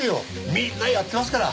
みんなやってますから。